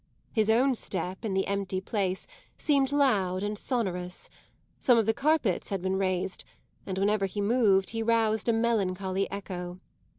His own step, in the empty place, seemed loud and sonorous; some of the carpets had been raised, and whenever he moved he roused a melancholy echo.